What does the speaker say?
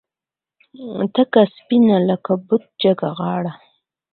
تکه سپینه لکه بته جګه غاړه